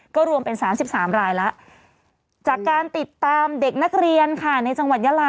ก็รวมเป็น๓๓รายแล้วจากการติดตามเด็กนักเรียนค่ะในจังหวัดยาลา